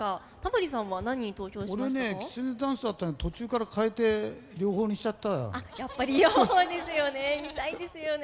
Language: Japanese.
俺ねきつねダンスだったんだけど途中から変えて両方にしちゃった。